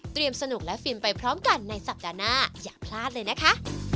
สนุกและฟินไปพร้อมกันในสัปดาห์หน้าอย่าพลาดเลยนะคะ